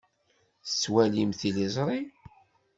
Tettwalimt tiliẓri?